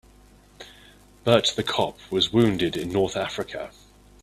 Bert the cop was wounded in North Africa.